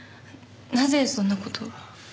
なぜそんな事を？